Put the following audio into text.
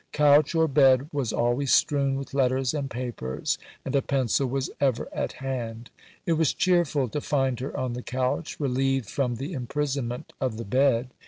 Couch or bed was always strewn with letters and papers, and a pencil was ever at hand. It was cheerful to find her on the couch, relieved from the imprisonment of the bed.